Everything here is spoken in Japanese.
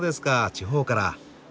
地方から。